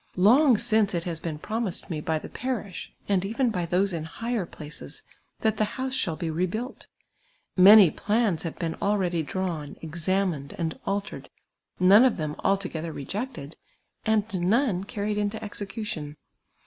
Lonj^ since it has been promised me by the ])arish, and even by those m hi<;her ])laees, that the house shall be rebuilt ; many })lans have been already dra^\^^, exiunined and altered, none of them altofjether rejected, nnd none carried into execu tion.